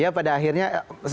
ya pada akhirnya